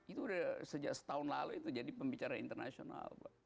itu udah sejak setahun lalu itu jadi pembicaraan internasional